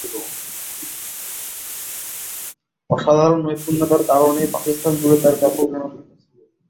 অসাধারন নৈপুণ্যের কারণে পাকিস্তান জুড়ে তার ব্যাপক জনপ্রিয়তা ছিল।